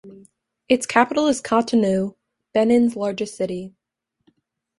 Its capital is Cotonou, Benin's largest city.